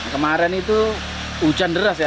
kemarin itu hujan deras ya